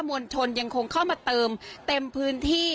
มวลชนยังคงเข้ามาเติมเต็มพื้นที่